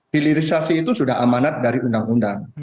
hilirisasi itu sudah amanat dari undang undang